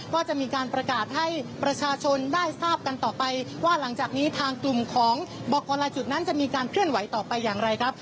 ก็จะมีการประกาศให้ประชาชนได้ทราบกันต่อไปว่าหลังจากนี้ทางกลุ่มของบอกกรลายจุดนั้นจะมีการเคลื่อนไหวต่อไปอย่างไรครับ